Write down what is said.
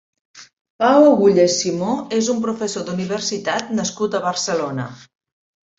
Pau Agulles Simó és un professor d'universitat nascut a Barcelona.